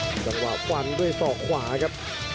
กลางวาวฟันด้วยส่อขวานะครับ